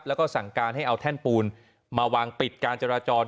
แล้วก็สั่งการให้เอาแท่นปูนมาวางปิดการจราจร